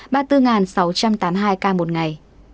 ba mươi bốn sáu trăm tám mươi hai ca một ngày